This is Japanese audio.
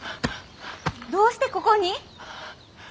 どうしてここに？